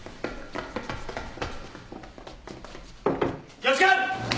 ・気を付け！